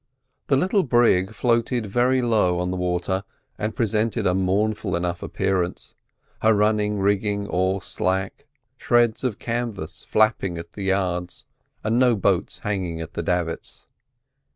The little brig floated very low on the water, and presented a mournful enough appearance; her running rigging all slack, shreds of canvas flapping at the yards, and no boats hanging at her davits.